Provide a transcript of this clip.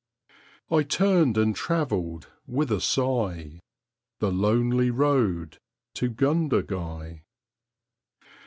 ..... I turned and travelled with a sigh The lonely road to Gundagai.